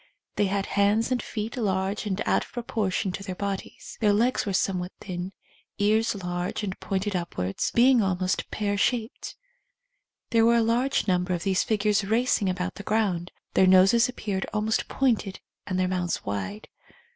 They had hands and feet large and out of pro]3ortion to their bodies. Their legs were somewhat thin, ears large and pointed upwards, being almost pear shaped. There were a large number of these figures racing about the ground. Their noses ap peared almost pointed and their mouths wide.